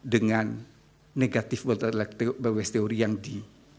dengan negatif betul teori yang di